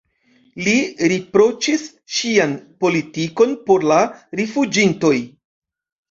Li riproĉis ŝian politikon por la rifuĝintoj.